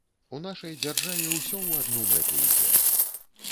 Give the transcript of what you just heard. У нашай дзяржаве ўсё ў адну мэту ідзе.